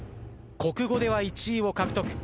国語では１位を獲得。